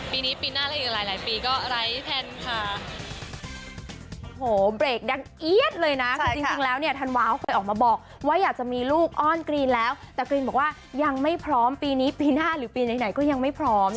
ปีนี้ปีหน้าและอีกหลายปีก็ไร้แพลนค่ะ